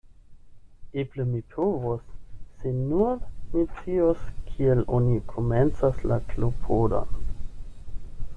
Eble mi povus, se nur mi scius kiel oni komencas la klopodon?